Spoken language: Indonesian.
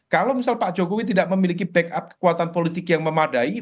kalau misal pak jokowi tidak memiliki backup kekuatan politik yang memadai